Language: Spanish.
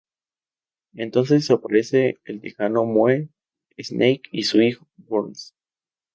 Entonces, aparece el texano, Moe, Snake y su hijo, y Burns.